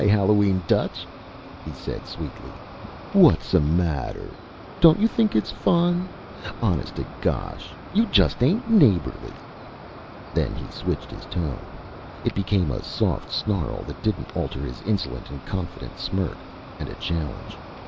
Hallowe'en, Dutch," he said sweetly. "What's the matter? Don't you think it's fun? Honest to gosh you just ain't neighborly!" Then he switched his tone. It became a soft snarl that didn't alter his insolent and confident smirk and a challenge.